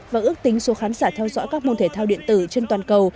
và ước tính số khán giả theo dõi các môn thể thao điện tử trên toàn cầu